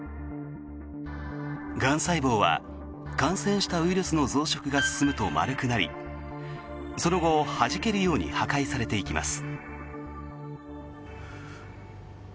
がん細胞は感染したウイルスの増殖が進むと丸くなりその後、はじけるように破壊されていきます。